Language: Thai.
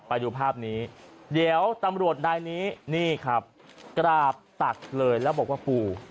ไปดูภาพนี้เดี๋ยวตำรวจนายนี้นี่ครับกราบตักเลยแล้วบอกว่าปู่